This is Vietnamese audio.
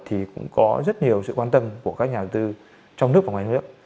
thì cũng có rất nhiều sự quan tâm của các nhà đầu tư trong nước và ngoài nước